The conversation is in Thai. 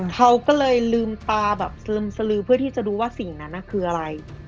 เขาก็เลยลืมตาแบบสลึมสลือเพื่อที่จะดูว่าสิ่งนั้นคืออะไร